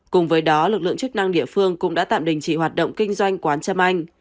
cùng với đó lực lượng chức năng địa phương cũng đã tạm đình chỉ hoạt động kinh doanh quán trâm anh